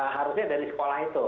harusnya dari sekolah itu